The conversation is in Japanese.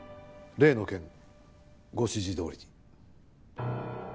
例の件ご指示どおりに。